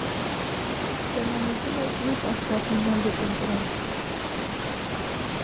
Permaneció en el club hasta final de temporada.